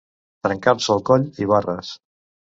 Trencar-se coll i barres.